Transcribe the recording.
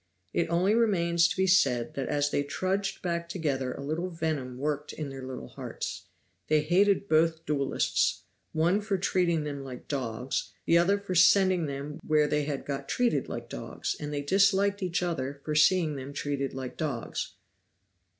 It only remains to be said that as they trudged back together a little venom worked in their little hearts. They hated both duelists one for treating them like dogs, the other for sending them where they had got treated like dogs; and they disliked each other for seeing them treated like dogs.